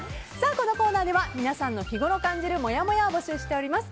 このコーナーでは皆さんの日ごろ感じるもやもやを募集しております。